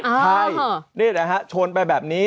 ใช่นี่แหละฮะชนไปแบบนี้